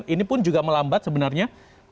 ini pun juga melambat sebenarnya